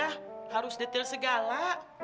kayak mau ketemu istri presiden aja